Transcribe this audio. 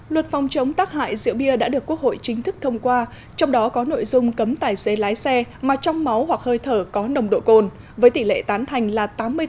luật phòng chống tác hại rượu bia đã được quốc hội chính thức thông qua trong đó có nội dung cấm tài xế lái xe mà trong máu hoặc hơi thở có nồng độ cồn với tỷ lệ tán thành là tám mươi bốn